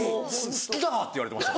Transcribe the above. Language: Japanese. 「好きだ！」って言われてました。